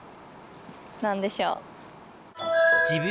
何でしょう？